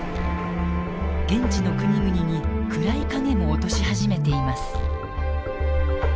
現地の国々に暗い影も落とし始めています。